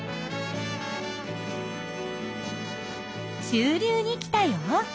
中流に来たよ。